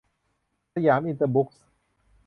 สยามอินเตอร์บุ๊คส์